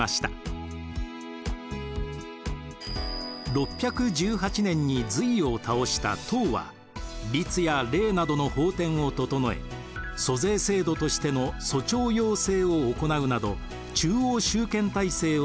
６１８年に隋を倒した唐は「律」や「令」などの法典を整え租税制度としての租調庸制を行うなど中央集権体制を確立。